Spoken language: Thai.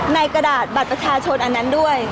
กระดาษบัตรประชาชนอันนั้นด้วย